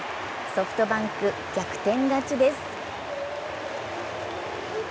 ソフトバンク、逆転勝ちです。